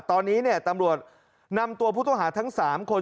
ตอนนี้ตำรวจนำตัวผู้ต้องหาทั้ง๓คน